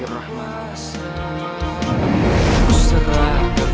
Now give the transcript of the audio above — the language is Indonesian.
sekarang aku harus segera pulang